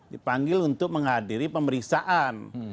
dipanggil untuk menghadiri pemeriksaan